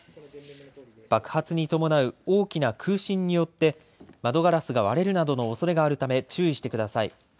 爆発に伴う大きな空振によって窓ガラスが割れるなどのおそれがあるため注意してください。